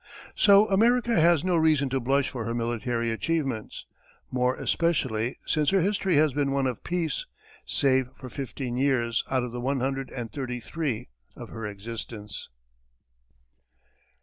So America has no reason to blush for her military achievements more especially since her history has been one of peace, save for fifteen years out of the one hundred and thirty three of her existence.